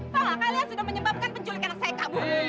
tahu nggak kalian sudah menyebabkan penculik anak saya kabur